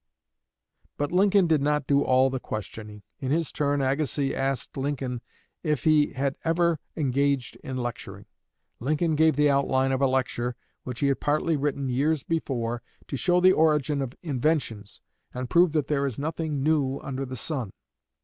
But Lincoln did not do all the questioning. In his turn, Agassiz asked Lincoln if he had ever engaged in lecturing. Lincoln gave the outline of a lecture, which he had partly written years before, to show the origin of inventions and prove that there is nothing new under the sun.